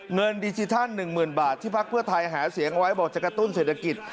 เงินดิจิทัล๑๐๐๐บาทที่พักเพื่อไทยหาเสียงเอาไว้บอกจะกระตุ้นเศรษฐกิจ